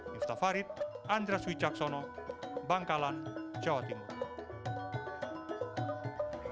miftah farid andras wicaksono bangkalan jawa timur